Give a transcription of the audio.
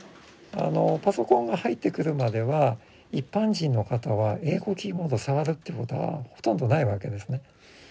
パソコンが入ってくるまでは一般人の方は英語キーボードを触るということはほとんどないわけですね。